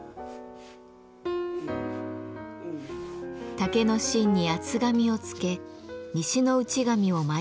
竹の芯に厚紙を付け西の内紙を巻いていきます。